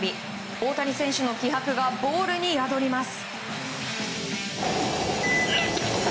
大谷選手の気迫がボールに宿ります。